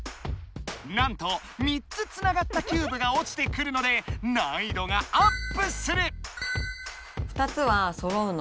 なんと３つつながったキューブがおちてくるので難易度がアップする！